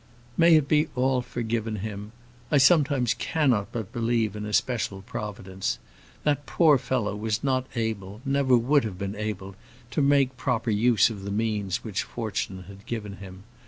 "May it be all forgiven him! I sometimes cannot but believe in a special Providence. That poor fellow was not able, never would have been able, to make proper use of the means which fortune had given him.